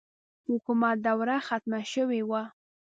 حکومت دوره ختمه شوې وه.